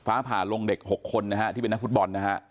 ผ่าลงเด็ก๖คนนะฮะที่เป็นนักฟุตบอลนะฮะ